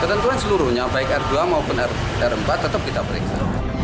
ketentuan seluruhnya baik r dua maupun r empat tetap kita periksa